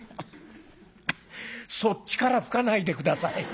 そっちから吹かないで下さい。